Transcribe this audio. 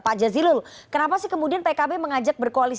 pak jadilul kenapa sih kemudian pkb mengajak berkomunikasi